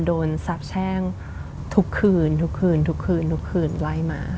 โดนสับแช่งทุกคืนทุกคืนทุกคืนใกล้มา